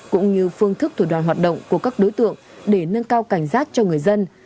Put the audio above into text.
cũng như phương thức thủ đoàn hoạt động của các đối tượng để nâng cao cảnh giác cho người dân